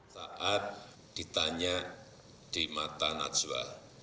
saat ditanya di mata najwa